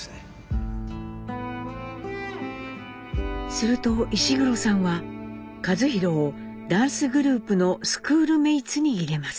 すると石黒さんは一寛をダンスグループのスクールメイツに入れます。